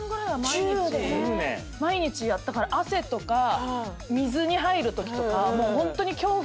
毎日やったから汗とか水に入るときとかもうホントに恐怖で。